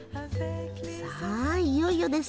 さあいよいよです。